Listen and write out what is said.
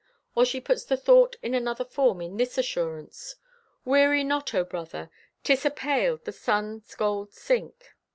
Or she puts the thought in another form in this assurance: Weary not, O brother! 'Tis apaled, the sun's gold sink.